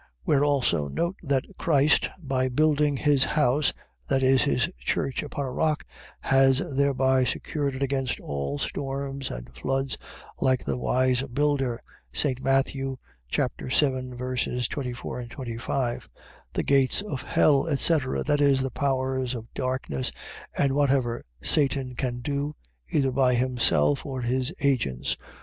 Where also note, that Christ, by building his house, that is, his church, upon a rock, has thereby secured it against all storms and floods, like the wise builder, St. Matt. 7. 24, 25. The gates of hell, etc. . .That is, the powers of darkness, and whatever Satan can do, either by himself, or his agents.